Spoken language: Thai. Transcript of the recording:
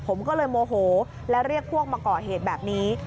ผมก็เลยโมโหและเรียกพวกมาก่อเหตุแบบนี้